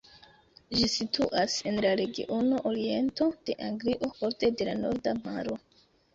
Ĝi situas en la regiono Oriento de Anglio, borde de la Norda Maro.